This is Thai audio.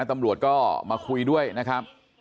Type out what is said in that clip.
ตำรวจก็มาคุยด้วยนะครับ